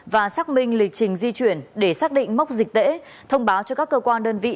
và xác minh lịch trình di chuyển để xác định mốc dịch tễ thông báo cho các cơ quan đơn vị